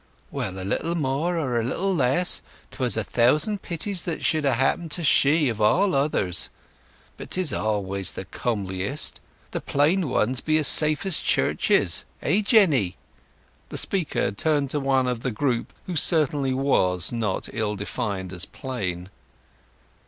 "Well, a little more, or a little less, 'twas a thousand pities that it should have happened to she, of all others. But 'tis always the comeliest! The plain ones be as safe as churches—hey, Jenny?" The speaker turned to one of the group who certainly was not ill defined as plain.